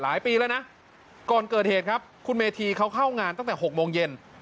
ปีแล้วนะก่อนเกิดเหตุครับคุณเมธีเขาเข้างานตั้งแต่๖โมงเย็น